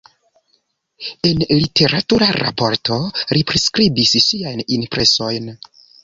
En literatura raporto li priskribis siajn impresojn.